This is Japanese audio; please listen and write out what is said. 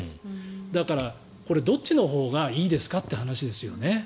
だから、これ、どっちのほうがいいですかって話ですよね。